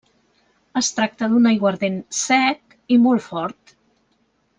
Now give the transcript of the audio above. Es tracta d'un aiguardent sec i molt fort.